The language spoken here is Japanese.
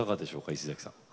石崎さん。